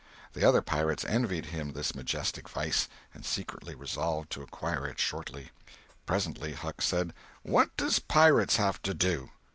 The other pirates envied him this majestic vice, and secretly resolved to acquire it shortly. Presently Huck said: "What does pirates have to do?"